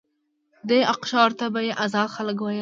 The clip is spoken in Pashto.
دې اقشارو ته به یې آزاد خلک ویل.